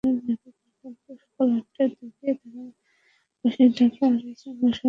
সকাল আটটার দিকে তাঁরা পাশের ঢাকা-আরিচা মহাসড়কে গিয়ে অবরোধ করে বিক্ষোভ করেন।